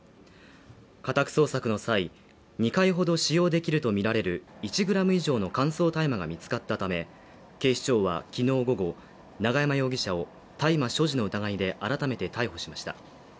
家宅捜索の際２回ほど使用できるとみられる１ｇ以上の乾燥大麻が見つかったため、警視庁はきのう午後、永山容疑者を大麻所持の疑いで改めて逮捕しました。